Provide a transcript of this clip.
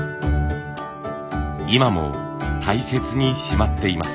今も大切にしまっています。